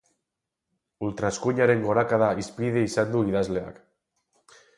Ultraeskuinaren gorakada hizpide izan du idazleak.